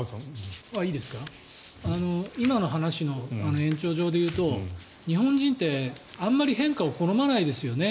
今の話の延長上でいうと日本人ってあまり変化を好まないですよね。